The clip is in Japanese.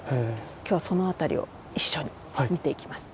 今日はそのあたりを一緒に見ていきます。